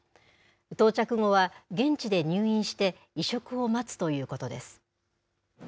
到着後は現地で入院して移植を待つということです。